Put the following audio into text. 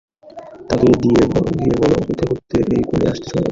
তাকে গিয়ে বলো অপেক্ষা করতে এই কনে আসতে সময় লাগাবে।